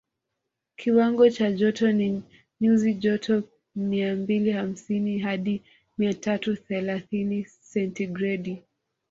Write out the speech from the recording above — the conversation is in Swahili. Kiwango cha joto ni nyuzi joto mia mbili hamsini hadi mia tatu thelathini sentigredi